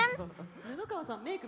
布川さんメイク